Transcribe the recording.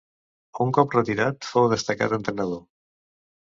Un cop retirat fou destacat entrenador.